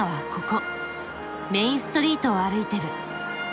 メインストリートを歩いてる。